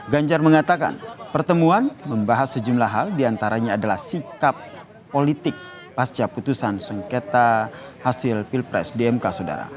ganjar mengatakan pertemuan membahas sejumlah hal diantaranya adalah sikap politik pasca putusan sengketa hasil pilpres di mk saudara